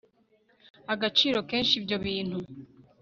agaciro kenshi ibyo bintu